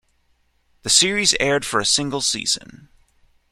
The series aired for a single season.